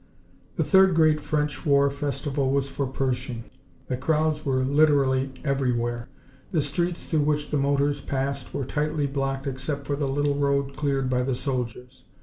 The third great French war festival was for Pershing. The crowds were literally everywhere. The streets through which the motors passed were tightly blocked except for the little road cleared by the soldiers.